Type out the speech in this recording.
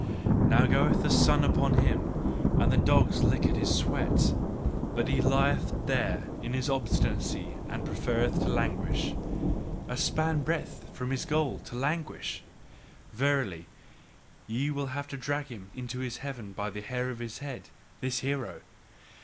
Now gloweth the sun upon him, and the dogs lick at his sweat: but he lieth there in his obstinacy and preferreth to languish: A span breadth from his goal, to languish! Verily, ye will have to drag him into his heaven by the hair of his head this hero!